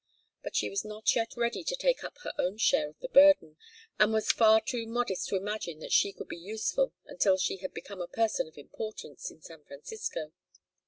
But she was not yet ready to take up her own share of the burden, and was far too modest to imagine that she could be useful until she had become a person of importance in San Francisco.